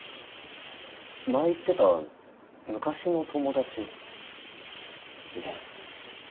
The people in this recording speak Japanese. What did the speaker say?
前言ってた昔の友達。です。